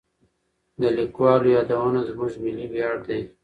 د لیکوالو یادونه زموږ ملي ویاړ دی.